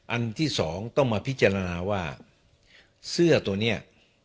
อันที่สองต้องมาพิจารณาว่าเสื้อตัวนี้